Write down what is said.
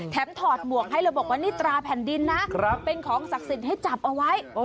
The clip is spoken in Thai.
ถอดหมวกให้เลยบอกว่านี่ตราแผ่นดินนะเป็นของศักดิ์สิทธิ์ให้จับเอาไว้